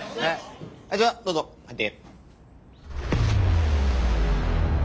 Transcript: じゃあどうぞ入って。